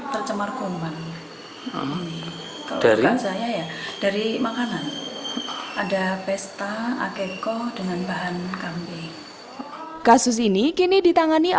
tercemar kuman dari makanan ada pesta akeko dengan bahan kambing kasus ini kini ditangani